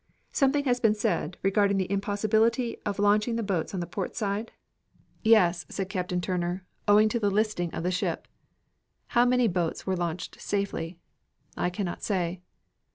"Something has been said regarding the impossibility of launching the boats on the port side?" "Yes," said Captain Turner, "owing to the listing of the ship." "How many boats were launched safely?" "I cannot say."